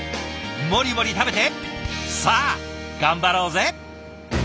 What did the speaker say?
モリモリ食べてさあ頑張ろうぜ！